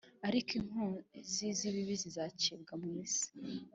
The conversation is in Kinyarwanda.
Ariko inkozi z ibibi zizacibwa mu isi